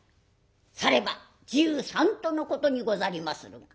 「されば１３とのことにござりまする」。